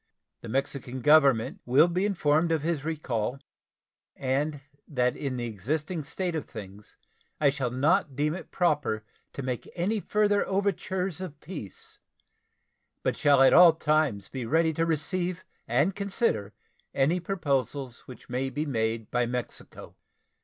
The Mexican Government will be informed of his recall, and that in the existing state of things I shall not deem it proper to make any further overtures of peace, but shall be at all times ready to receive and consider any proposals which may be made by Mexico.